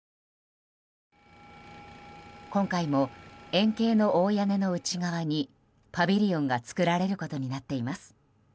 今回も円形の大屋根の内側にパビリオンが作られることになっています。